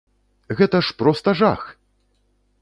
Гэта ж проста жах!